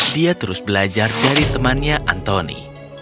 dia terus belajar dari temannya antoni